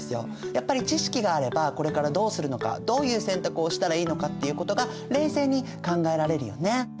やっぱり知識があればこれからどうするのかどういう選択をしたらいいのかっていうことが冷静に考えられるよね。